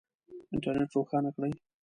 انټرنېټ روښانه کړئ